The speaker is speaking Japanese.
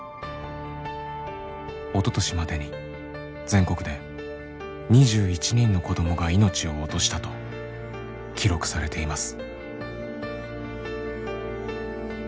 おととしまでに全国で２１人の子どもがいのちを落としたと記録されています。